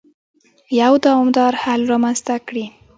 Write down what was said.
يو دوامدار حل رامنځته کړي.